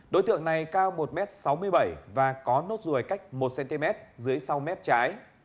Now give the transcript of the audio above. đối tượng này cao một m sáu mươi bảy và có nốt ruồi cách một cm dưới sau mép trái